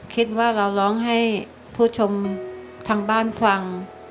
คิดว่าเราร้องให้ผู้ชมทางบ้านฟัง